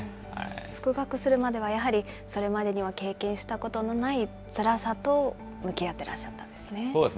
復学するまでは、やはりそれまでには経験したことのない、つらさと向き合ってらっしゃったんですね。